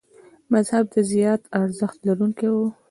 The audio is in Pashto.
مذهب د زیات ارزښت لرونکي و.